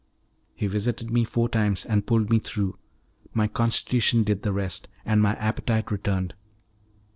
He visited me four times, and pulled me through; my constitution did the rest, and my appetite returned.